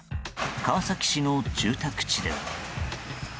川崎市の住宅地では。